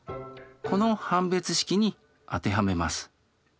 この判別式に当てはめます。